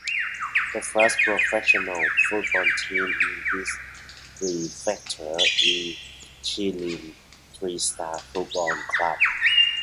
The first professional football team in this prefecture is Jilin Three Stars Football Club.